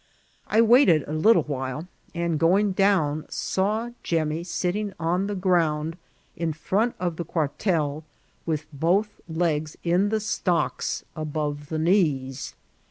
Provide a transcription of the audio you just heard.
I waited a little while, and, going down, saw Jemmy sitting on the ground in fir<mt of the quartel, with both legs in the stocks above the knees.